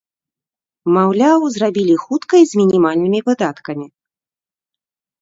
Маўляў, зрабілі хутка і з мінімальнымі выдаткамі.